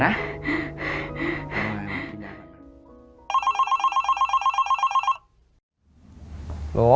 ทำไมไม่ตา